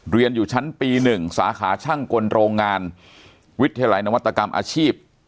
เรียนอยู่ชั้นปี๑สาขาช่างกลโรงงานวิทยาลัยนวัตกรรมอาชีพ